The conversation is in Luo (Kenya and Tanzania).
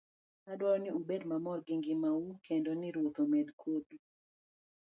Adwaro ni ubed mamor gi ngimau, kendo ni Ruoth obed kodu.